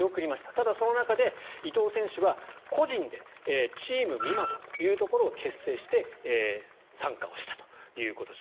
ただ、その中で伊藤選手は個人でチーム美誠というところを結成して参加をしたということです。